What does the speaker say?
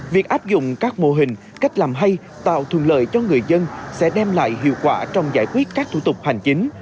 việc áp dụng các mô hình cách làm hay tạo thuận lợi cho người dân sẽ đem lại hiệu quả trong giải quyết các thủ tục hành chính